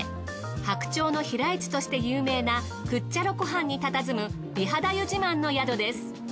白鳥の飛来地として有名なクッチャロ湖畔に佇む美肌湯自慢の宿です。